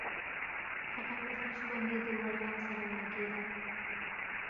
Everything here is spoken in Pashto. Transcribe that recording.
هغه په فرش باندې د لوړ غږ سره ولګیده